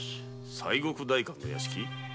西国代官の屋敷？